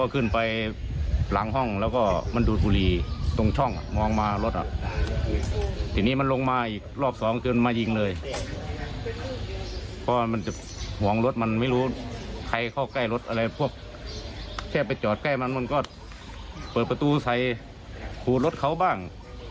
กูถูกรถเขาบ้าง